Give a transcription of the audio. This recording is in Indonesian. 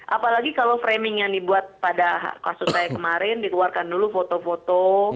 apalagi kalau framing yang dibuat pada kasus saya kemarin dikeluarkan dulu foto foto